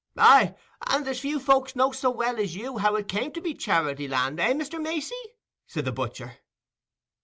"Aye, and there's few folks know so well as you how it come to be Charity Land, eh, Mr. Macey?" said the butcher.